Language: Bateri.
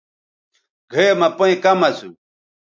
گھئے مہ پئیں کم اسُو۔